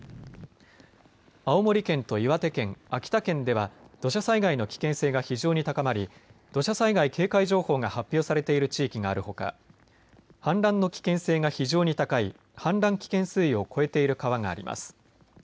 青森県と岩手県、秋田県では土砂災害の危険性が非常に高まり土砂災害警戒情報が発表されている地域があるほか、氾濫の危険性が非常に高い氾濫危険水位を超えている川があります。